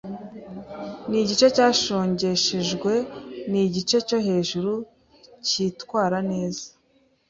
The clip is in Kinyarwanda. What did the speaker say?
ni igice cyashongeshejwe igice cyo hejuru cyitwara neza